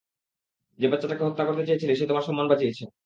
যে বাচ্চটাকে হত্যা করতে চেয়েছিলে সে তোমার সম্মান বাঁচিয়েছে।